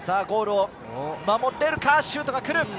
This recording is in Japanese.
ゴールを守っているか、シュートが来る。